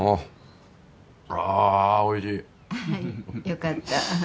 よかった。